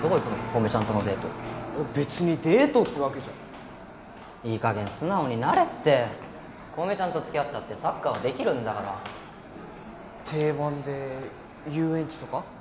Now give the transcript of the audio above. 小梅ちゃんとのデート別にデートってわけじゃいい加減素直になれって小梅ちゃんと付き合ったってサッカーはできるんだから定番で遊園地とか？